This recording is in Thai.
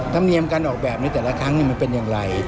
ธรรมเนียมการออกแบบนี้แต่ละครั้งมันเป็นอย่างไร